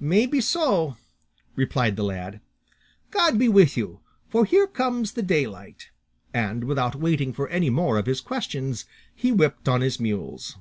"May be so," replied the lad; "God be with you, for here comes the daylight;" and without waiting for any more of his questions, he whipped on his mules.